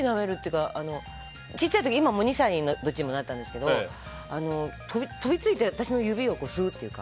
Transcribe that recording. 今、どっちも２歳になったんですけど飛びついて私の指を吸うというか。